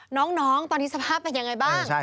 น้องตอนนี้สภาพเป็นยังไงบ้าง